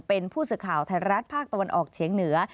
เป็นผู้สื่อข่าวไทยรัฐภาคตะวันออกเฉียงเหนือ